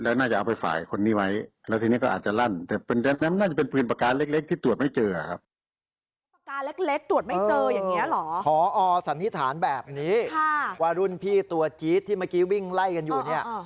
ว่ารุ่นที่ตัวจี๊ดที่เมื่อกี้วิ่งไล่กันอยู่